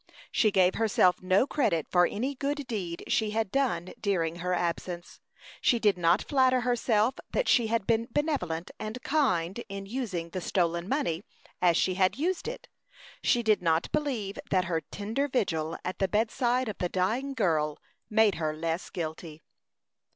She gave herself no credit for any good deed she had done during her absence; she did not flatter herself that she had been benevolent and kind in using the stolen money as she had used it; she did not believe that her tender vigil at the bedside of the dying girl made her less guilty.